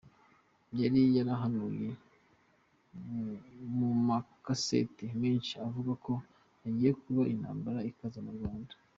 Yari yarahanuye mumakasete menshi avuga ko hagiye kuba intambara ikaze mu Rwanda.